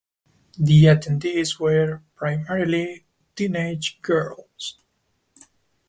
The attendees were primarily teenage girls.